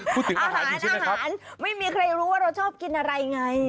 พูดถึงอาหารอาหารอาหารไม่มีใครรู้ว่าเราชอบกินอะไรไง